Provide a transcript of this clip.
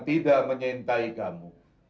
tidak menyintai kamu